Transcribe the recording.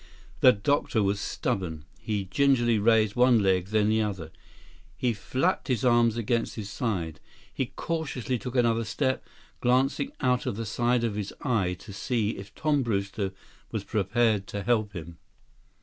The doctor was stubborn. He gingerly raised one leg, then the other. He flapped his arms against his sides. He cautiously took another step, glancing out of the side of his eye to see if Tom Brewster was prepared to help him.